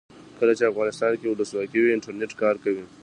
کله چې افغانستان کې ولسواکي وي انټرنیټ کار کوي.